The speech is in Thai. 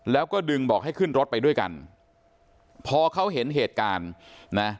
แล้วก็ดึงบอกให้ขึ้นรถไปด้วยกันพอเขาเห็นเหตุการณ์นะ